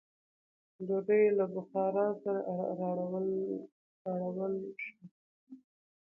ډوډۍ له بخاره سره راوړل شوه.